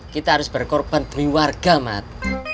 kita harus berkorban demi warga mas